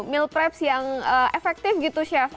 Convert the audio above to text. meal prep yang efektif gitu chef